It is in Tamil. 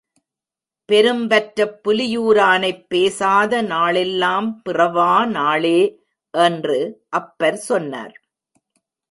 பெரும்பற்றப் புலியூ ரானைப் பேசாத நாள்எல்லாம் பிறவா நாளே என்று அப்பர் சொன்னார்.